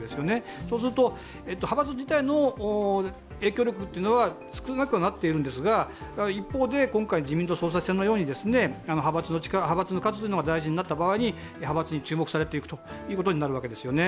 そうすると派閥自体の影響力は少なくはなっているんですが、一方で今回の自民党総裁選のように派閥の数が大事になった場合には派閥に注目されていくことになるわけです。